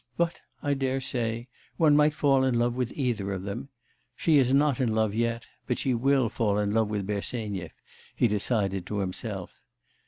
But, I dare say, one might fall in love with either of them. She is not in love yet, but she will fall in love with Bersenyev,' he decided to himself.